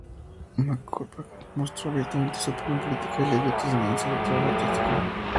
McCormack mostró abiertamente su opinión política y le dio transcendencia en su trabajo artístico.